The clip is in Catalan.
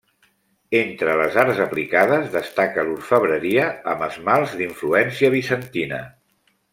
Entre les arts aplicades, destaca l'orfebreria, amb esmalts d'influència bizantina.